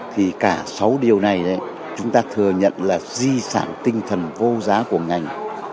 thì cả sáu điều này chúng ta thừa nhận là di sản tinh thần vô giá của ngành